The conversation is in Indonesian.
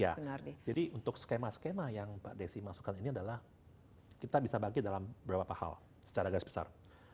ya jadi untuk skema skema yang pak desi masukkan ini adalah kita bisa bagi dalam beberapa hal secara garis besar